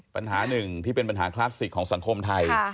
ปัญหาหนึ่งที่เป็นปัญหาคลาสสิกของสังคมไทย